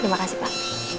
terima kasih pak